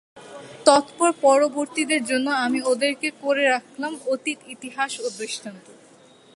তৎপর পরবর্তীদের জন্যে আমি ওদেরকে করে রাখলাম অতীত ইতিহাস ও দৃষ্টান্ত।